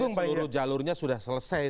yang artinya seluruh jalurnya sudah selesai